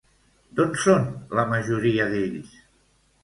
D'on són la majoria d'ells?